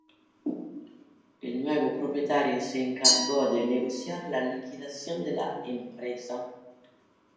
El nuevo propietario se encargó de negociar la liquidación de la empresa.